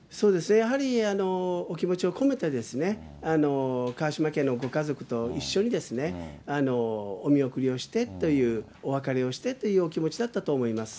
やはりお気持ちを込めて、川嶋家のご家族と一緒にお見送りをしてという、お別れをしてというお気持ちだったと思います。